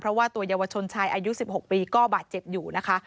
เพราะว่าตัวเยาวชนชายอายุ๑๖ปีก็บาดเจ็บอยู่นะคะ